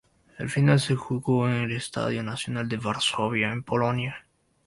La final se jugó en el Estadio Nacional de Varsovia, en Polonia.